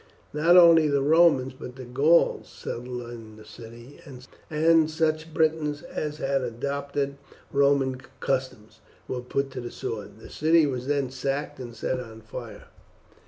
Not only the Romans, but the Gauls settled in the city, and such Britons as had adopted Roman customs were put to the sword. The city was then sacked and set on fire.